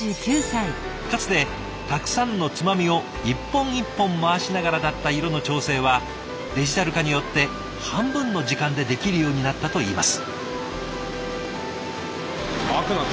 かつてたくさんのつまみを一本一本回しながらだった色の調整はデジタル化によって半分の時間でできるようになったといいます。